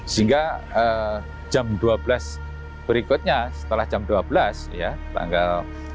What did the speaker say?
sehingga jam dua belas berikutnya setelah jam dua belas ya tanggal